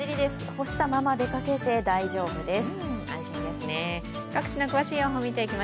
干したまま出かけて大丈夫です。